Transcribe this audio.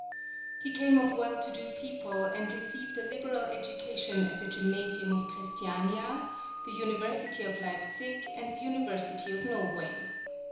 BOYESEN] He came of well to do people, and received a liberal education at the gymnasium of Christiania, the University of Leipsic, and the University of Norway.